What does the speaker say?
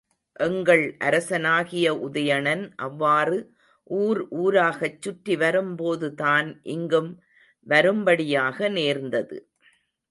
எங்கள் அரசனாகிய உதயணன் அவ்வாறு ஊர் ஊராகச் சுற்றி வரும்போதுதான் இங்கும் வரும்படியாக நேர்ந்தது.